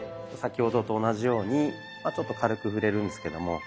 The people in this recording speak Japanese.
先ほどと同じようにちょっと軽く触れるんですけども。